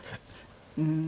うん。